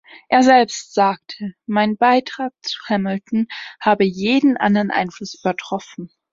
Er selbst sagte, mein Beitrag zu Hamilton habe jeden anderen Einfluss übertroffen.